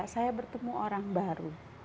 saya bertemu orang baru